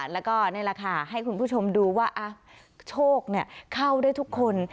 แล้วก็นี่แหละค่ะให้คุณผู้ชมดูว่าโชคเข้าได้ทุกคน